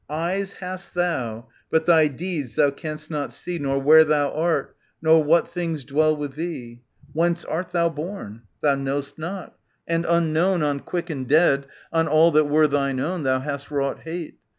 Eyes hast thou, but thy deeds thou canst not see Nor where thou art, nor what things dwell with thee. Whence art thou born ? Thou know'st not ; and unknown, On quick and dead, on all that were thine own, Thou hast wrought hate.